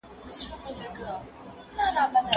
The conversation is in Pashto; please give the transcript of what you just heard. ټولنیز نهاد د ټولنیز نظم د دوام لپاره مهم دی.